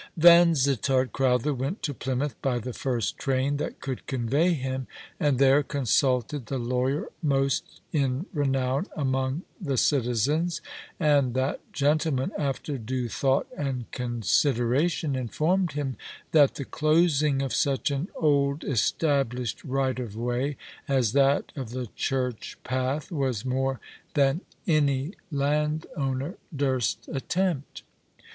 Yansittart Crowther went to Plymouth by the first train that could convey him, and there consulted the lawyer most in renown among the citizens; and that gentleman, after due thought and consideration, informed him that the closing of such an old established right of way as that of the church path was more than any landowner durst attempt.